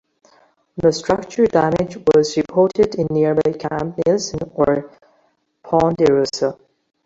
No structure damage was reported in nearby Camp Nelson or Ponderosa.